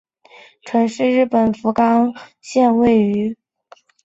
行桥市是位于日本福冈县东部的一个城市。